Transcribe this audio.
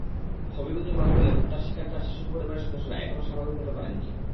হবিগঞ্জের বাহুবলে হত্যার শিকার চার শিশুর পরিবারের সদস্যরা এখনো স্বাভাবিক হতে পারেননি।